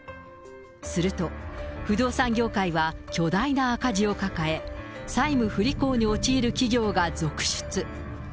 すると、不動産業界は巨大な赤字を抱え、債務不履行に陥る企業が続出。